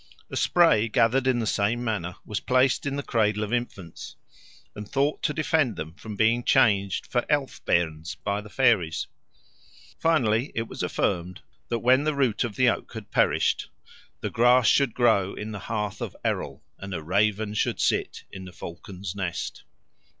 A spray gathered in the same manner was placed in the cradle of infants, and thought to defend them from being changed for elfbairns by the fairies. Finally, it was affirmed, that when the root of the oak had perished, 'the grass should grow in the hearth of Errol, and a raven should sit in the falcon's nest.'